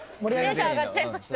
テンション上がっちゃいました。